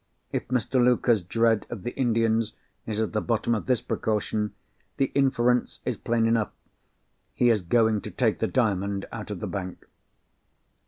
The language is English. If Mr. Luker's dread of the Indians is at the bottom of this precaution, the inference is plain enough. He is going to take the Diamond out of the bank."